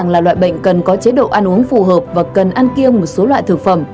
là loại bệnh cần có chế độ ăn uống phù hợp và cần ăn kiêng một số loại thực phẩm